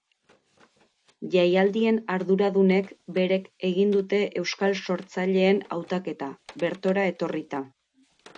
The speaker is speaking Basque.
Jaialdien arduradunek berek egin dute euskal sortzaileen hautaketa, bertora etorrita.